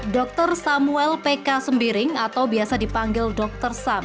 dr samuel pk sembiring atau biasa dipanggil dr sam